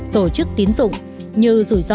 tổ chức tiến dụng như rủi ro